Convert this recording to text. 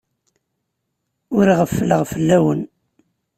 Ur ɣeffleɣ fell-awen.